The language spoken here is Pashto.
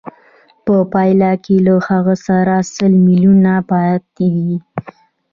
په پایله کې له هغه سره سل میلیونه پاتېږي